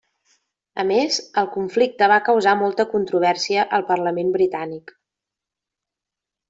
A més, el conflicte va causar molta controvèrsia al parlament britànic.